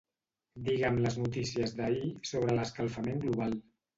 Digue'm les notícies d'ahir sobre l'escalfament global.